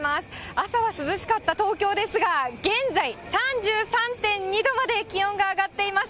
朝は涼しかった東京ですが、現在３３．２度まで気温が上がっています。